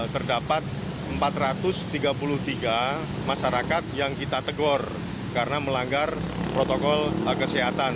terdapat empat ratus tiga puluh tiga masyarakat yang kita tegur karena melanggar protokol kesehatan